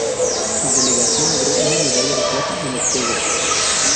Su delegación logró una medalla de plata en los juegos.